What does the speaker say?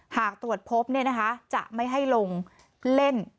หากตรวจพบเนี้ยนะคะจะไม่ให้ลงเล่น